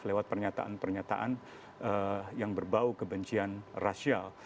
lewat pernyataan pernyataan yang berbau kebencian rasial